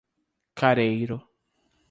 Careiro